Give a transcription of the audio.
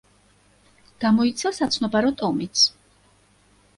გამოიცა საცნობარო ტომიც.